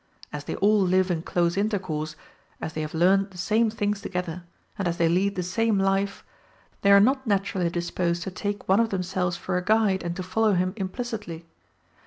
As they all live in close intercourse, as they have learned the same things together, and as they lead the same life, they are not naturally disposed to take one of themselves for a guide, and to follow him implicitly.